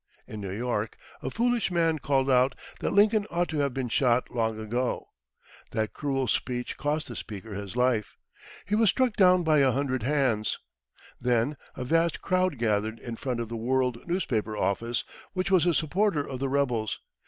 In New York, a foolish man called out that Lincoln ought to have been shot long ago. That cruel speech cost the speaker his life. He was struck down by a hundred hands. Then a vast crowd gathered in front of the World newspaper office, which was a supporter of the rebels.